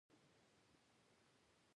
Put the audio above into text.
د قریشو کاروان روان شو.